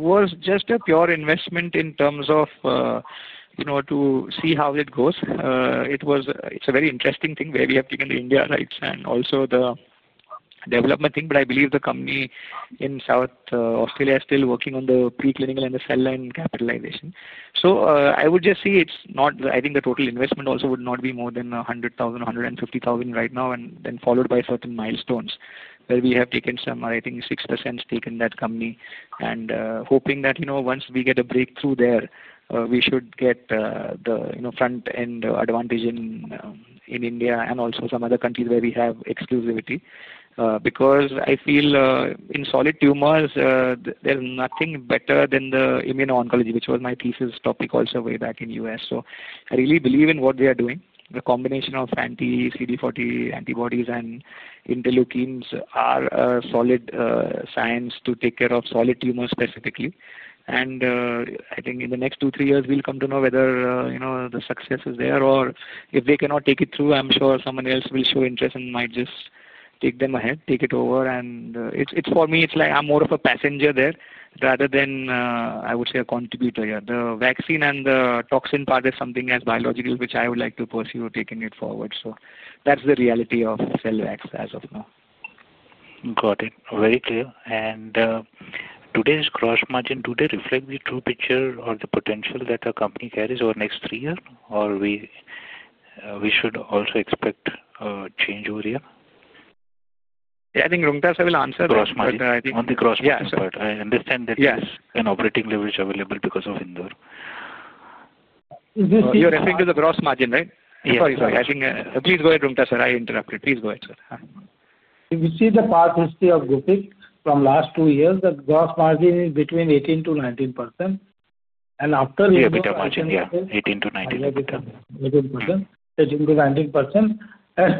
was just a pure investment in terms of to see how it goes. It's a very interesting thing where we have taken the India rights and also the development thing, but I believe the company in South Australia is still working on the preclinical and the cell line capitalization. I would just see it's not, I think the total investment also would not be more than $100,000-$150,000 right now, and then followed by certain milestones where we have taken some, I think, 6% stake in that company and hoping that once we get a breakthrough there, we should get the front-end advantage in India and also some other countries where we have exclusivity because I feel in solid tumors, there's nothing better than the immuno-oncology, which was my thesis topic also way back in the U.S. I really believe in what they are doing. The combination of anti-CD40 antibodies and interleukins are solid science to take care of solid tumors specifically. I think in the next two, three years, we'll come to know whether the success is there or if they cannot take it through, I'm sure someone else will show interest and might just take them ahead, take it over. For me, it's like I'm more of a passenger there rather than, I would say, a contributor. Yeah. The vaccine and the toxin part is something as biological, which I would like to pursue taking it forward. That's the reality of Selvac as of now. Got it. Very clear. Do today's gross margin reflect the true picture or the potential that the company carries over the next three years, or should we also expect a change over here? Yeah. I think Roonghta sir will answer that. Gross margin. On the gross margin part, I understand that there's an operating leverage available because of Indore. You're referring to the gross margin, right? Yes. Sorry, sorry. I think please go ahead, Roonghta sir. I interrupted. Please go ahead, sir. If you see the past history of Gufic from last two years, the gross margin is between 18-19%. And after Indore. A little bit of margin. Yeah. 18-19%. A little bit of margin. 18%-19%.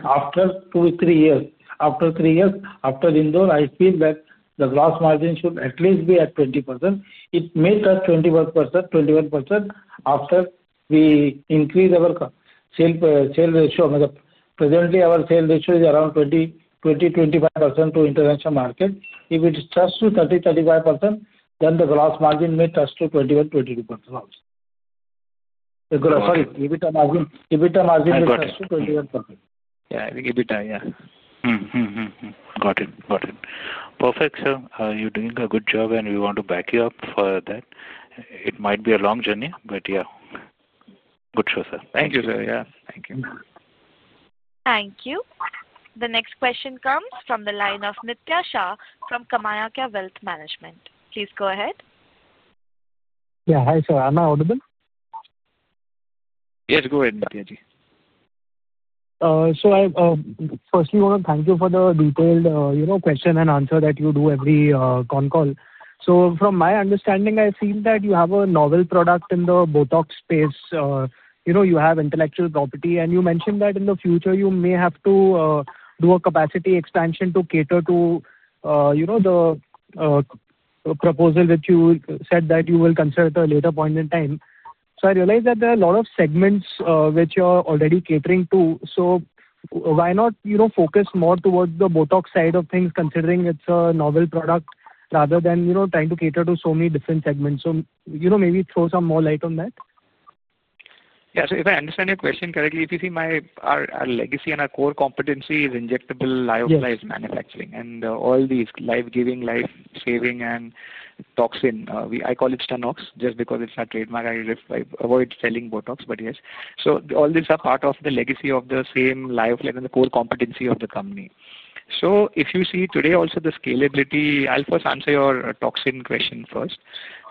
After two to three years, after three years, after Indore, I feel that the gross margin should at least be at 20%. It may touch 21% after we increase our sale ratio. Presently, our sale ratio is around 20%-25% to international market. If it touches to 30%-35%, then the gross margin may touch to 21%-22% also. Sorry. EBITDA margin may touch to 21%. Yeah. I think EBITDA, yeah. Got it. Got it. Perfect, sir. You're doing a good job, and we want to back you up for that. It might be a long journey, but yeah. Good show, sir. Thank you, sir. Yeah. Thank you. Thank you. The next question comes from the line of Nitya Shah from Kamayakya Wealth Management. Please go ahead. Yeah. Hi, sir. Am I audible? Yes. Go ahead, Nitya ji. First, we want to thank you for the detailed question and answer that you do every con call. From my understanding, I feel that you have a novel product in the Botox space. You have intellectual property, and you mentioned that in the future, you may have to do a capacity expansion to cater to the proposal that you said that you will consider at a later point in time. I realize that there are a lot of segments which you're already catering to. Why not focus more towards the Botox side of things, considering it's a novel product rather than trying to cater to so many different segments? Maybe throw some more light on that. Yeah. If I understand your question correctly, if you see our legacy and our core competency is injectable lyophilized manufacturing. All these life-giving, life-saving, and toxin, I call it Stonoxo just because it's our trademark. I avoid saying Botox, but yes. All these are part of the legacy of the same lyophilized and the core competency of the company. If you see today also the scalability, I'll first answer your toxin question first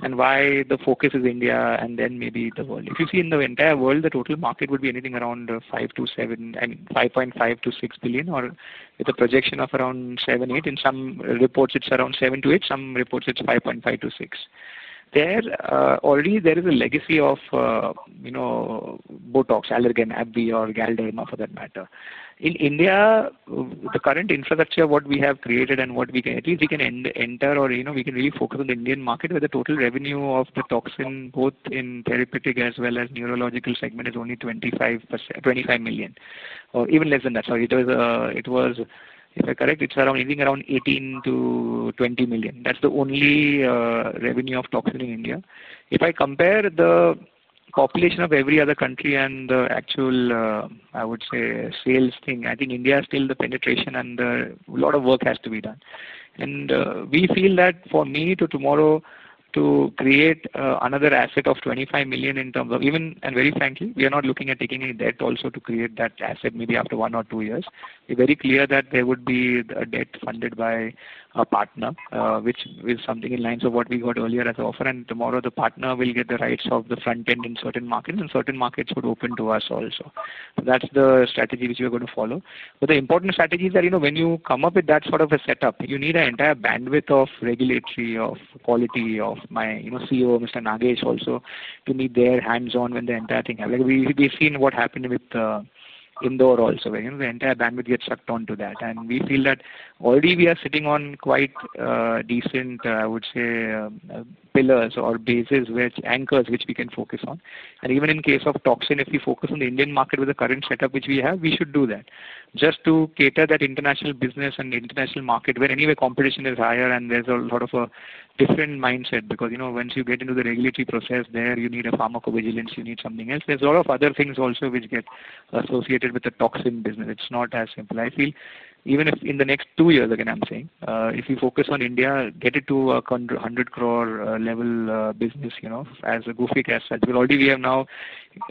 and why the focus is India and then maybe the world. If you see in the entire world, the total market would be anything around $5 billion-$7 billion, I mean, $5.5 billion-$6 billion, or with a projection of around $7 billion-$8 billion. In some reports, it's around $7 billion-$8 billion. Some reports, it's $5.5 billion-$6 billion. Already, there is a legacy of Botox, Allergan, AbbVie, or Galderma for that matter. In India, the current infrastructure, what we have created and what we can, at least we can enter or we can really focus on the Indian market, where the total revenue of the toxin, both in therapeutic as well as neurological segment, is only $25 million, or even less than that. Sorry. If I correct, it's around anything around $18-$20 million. That's the only revenue of toxin in India. If I compare the population of every other country and the actual, I would say, sales thing, I think India is still the penetration, and a lot of work has to be done. We feel that for me to tomorrow to create another asset of $25 million in terms of even, and very frankly, we are not looking at taking any debt also to create that asset maybe after one or two years. We're very clear that there would be a debt funded by a partner, which is something in lines of what we got earlier as an offer. Tomorrow, the partner will get the rights of the front-end in certain markets, and certain markets would open to us also. That's the strategy which we are going to follow. The important strategy is that when you come up with that sort of a setup, you need an entire bandwidth of regulatory, of quality, of my CEO, Mr. Nagesh, also to need their hands-on when the entire thing happens. We've seen what happened with Indore also, where the entire bandwidth gets sucked onto that. We feel that already we are sitting on quite decent, I would say, pillars or bases, anchors which we can focus on. Even in case of toxin, if we focus on the Indian market with the current setup which we have, we should do that just to cater to that international business and international market where anyway competition is higher and there's a lot of different mindset because once you get into the regulatory process, there you need a pharmacovigilance, you need something else. There are a lot of other things also which get associated with the toxin business. It's not as simple. I feel even if in the next two years, again, I'm saying, if you focus on India, get it to a 100 crore level business as a Gufic as such. Already we have now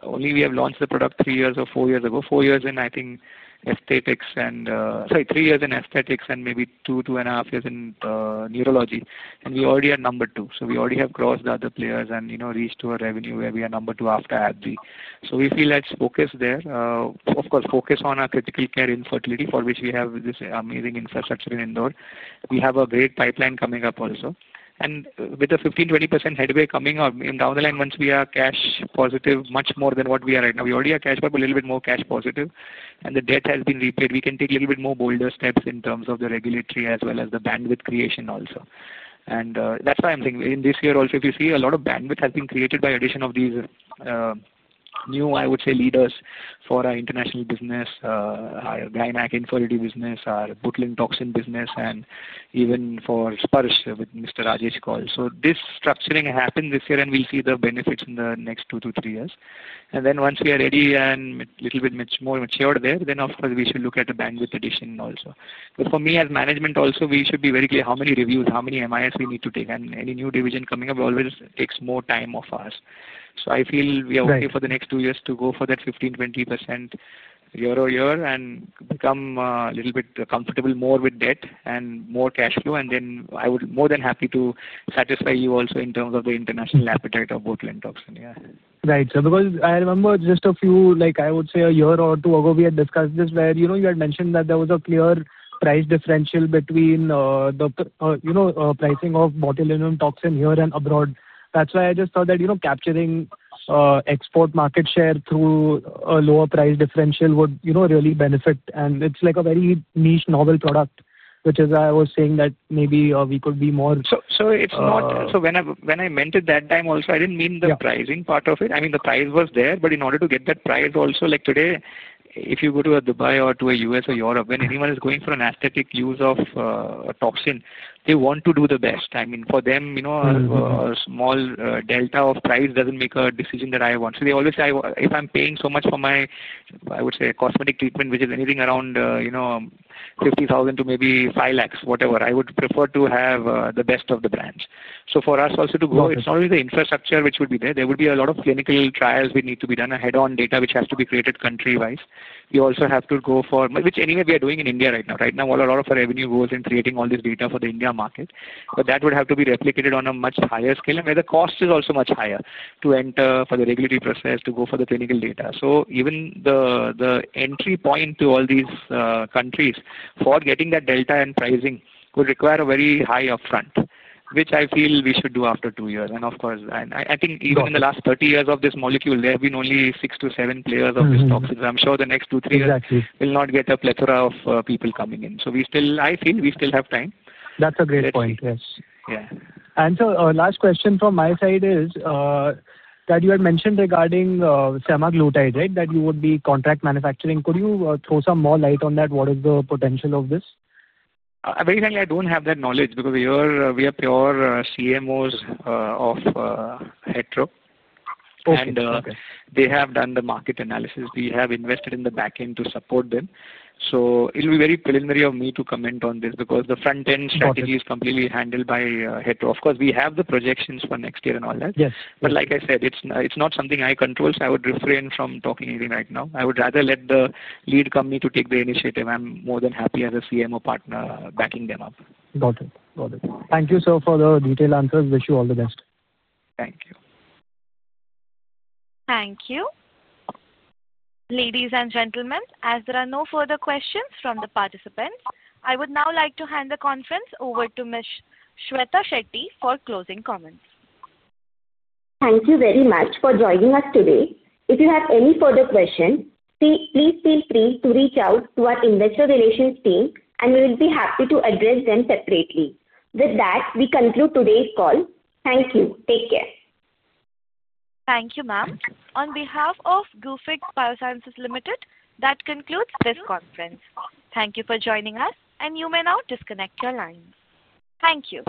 only we have launched the product three years or four years ago. Four years in, I think, aesthetics and sorry, three years in aesthetics and maybe two, two and a half years in neurology. We already are number two. We already have crossed the other players and reached to a revenue where we are number two after AbbVie. We feel that focus there. Of course, focus on our critical care infertility for which we have this amazing infrastructure in Indore. We have a great pipeline coming up also. With a 15%-20% headway coming down the line, once we are cash positive much more than what we are right now. We already are cash positive, but a little bit more cash positive. The debt has been repaid. We can take a little bit more bolder steps in terms of the regulatory as well as the bandwidth creation also. That's why I'm saying in this year also, if you see, a lot of bandwidth has been created by addition of these new, I would say, leaders for our international business, our Glimac infertility business, our Botulinum toxin business, and even for Spurge with Mr. Rajesh Kaur. This structuring happened this year, and we'll see the benefits in the next two to three years. Once we are ready and a little bit more matured there, of course we should look at a bandwidth addition also. For me as management also, we should be very clear how many reviews, how many MIS we need to take. Any new division coming up always takes more time of ours. I feel we are okay for the next two years to go for that 15%-20% year over year and become a little bit comfortable more with debt and more cash flow. I would be more than happy to satisfy you also in terms of the international appetite of Botulinum toxin. Yeah. Right. So because I remember just a few, I would say a year or two ago, we had discussed this where you had mentioned that there was a clear price differential between the pricing of Botulinum toxin here and abroad. That's why I just thought that capturing export market share through a lower price differential would really benefit. And it's like a very niche, novel product, which is why I was saying that maybe we could be more. When I meant it that time also, I didn't mean the pricing part of it. I mean, the price was there, but in order to get that price also, like today, if you go to a Dubai or to a U.S. or Europe, when anyone is going for an aesthetic use of toxin, they want to do the best. I mean, for them, a small delta of price doesn't make a decision that I want. They always say, "If I'm paying so much for my, I would say, cosmetic treatment, which is anything around 50,000 to maybe 500,000, whatever, I would prefer to have the best of the brands." For us also to go, it's not only the infrastructure which would be there. There would be a lot of clinical trials which need to be done, head-on data which has to be created country-wise. We also have to go for which anyway we are doing in India right now. Right now, a lot of our revenue goes in creating all this data for the India market. That would have to be replicated on a much higher scale, where the cost is also much higher to enter for the regulatory process, to go for the clinical data. Even the entry point to all these countries for getting that delta and pricing would require a very high upfront, which I feel we should do after two years. Of course, I think even in the last 30 years of this molecule, there have been only six to seven players of this toxin. I'm sure the next two, three years will not get a plethora of people coming in. I feel we still have time. That's a great point. Yes. Yeah. Last question from my side is that you had mentioned regarding semaglutide, right, that you would be contract manufacturing. Could you throw some more light on that? What is the potential of this? Very frankly, I don't have that knowledge because we are pure CMOs of Hetero, and they have done the market analysis. We have invested in the backend to support them. It will be very preliminary of me to comment on this because the front-end strategy is completely handled by Hetero. Of course, we have the projections for next year and all that. Like I said, it's not something I control, so I would refrain from talking anything right now. I would rather let the lead company take the initiative. I'm more than happy as a CMO partner backing them up. Got it. Got it. Thank you, sir, for the detailed answers. Wish you all the best. Thank you. Thank you. Ladies and gentlemen, as there are no further questions from the participants, I would now like to hand the conference over to Ms. Shwetha Shetty for closing comments. Thank you very much for joining us today. If you have any further questions, please feel free to reach out to our investor relations team, and we will be happy to address them separately. With that, we conclude today's call. Thank you. Take care. Thank you, ma'am. On behalf of Gufic Biosciences Limited, that concludes this conference. Thank you for joining us, and you may now disconnect your lines. Thank you.